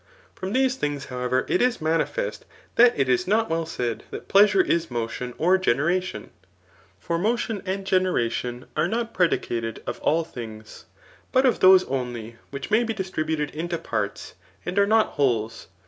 From these things, however, it is mani fest, that it is not well said that pleasure is motion or ^enejation ; for motion and generation are not predi^ cated of all things, but of those only which may be dis* Digitized by Google CHAPj l\\ ETHICS. S79 tributed into parts^ and are not wholes.